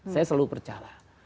saya selalu percaya